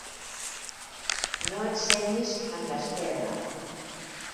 No et senyis amb l'esquerra.